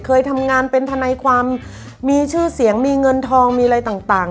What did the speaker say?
เคยทำงานเป็นทนายความมีชื่อเสียงมีเงินทองมีอะไรต่าง